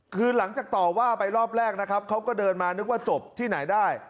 คือหลังจากต่อว่าไปรอบแรกนะครับเขาก็เดินมานึกว่าจบที่ไหนได้